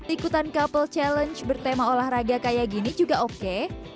ikutan couple challenge bertema olahraga kayak gini juga oke